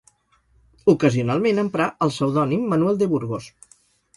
Ocasionalment emprà el pseudònim Manuel de Burgos.